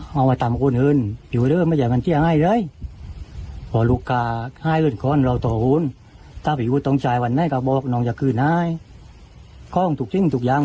น่าจะไม่ได้อยู่ด้วยกันหลังจากคืนไฟฟ้าทุกสิ่งทุกอย่าง